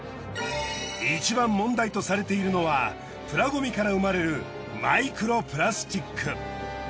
いちばん問題とされているのはプラゴミから生まれるマイクロプラスチック。